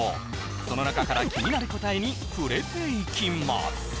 その中から気になる答えに触れていきます